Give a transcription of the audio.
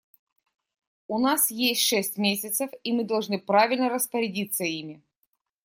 У нас есть шесть месяцев, и мы должны правильно распорядиться ими.